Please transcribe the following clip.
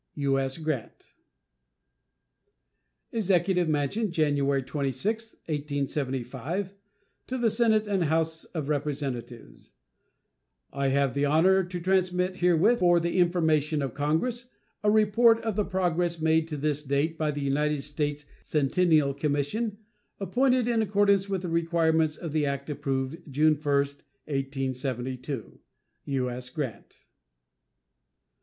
U.S. GRANT. EXECUTIVE MANSION, January 26, 1875. To the Senate and House of Representatives: I have the honor to transmit herewith, for the information of Congress, a report of the progress made to this date by the United States Centennial Commission appointed in accordance with the requirements of the act approved June 1, 1872. U.S. GRANT.